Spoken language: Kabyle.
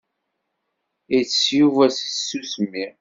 Itess Yuba deg tsusmi.